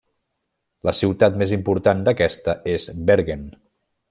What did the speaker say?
La ciutat més important d'aquesta és Bergen.